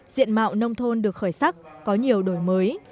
diện mạo nông thôn được khởi sắc có nhiều đổi mới